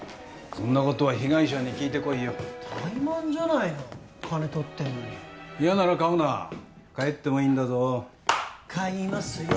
そんなことは被害者に聞いてこいよ怠慢じゃないの金取ってんのに嫌なら買うな帰ってもいいんだぞ買いますよ